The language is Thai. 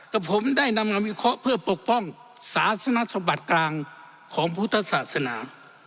กับผมได้นำมาวิเคราะห์เพื่อปกป้องศาสนสมบัติกลางของพุทธศาสนา